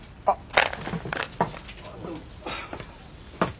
あっ。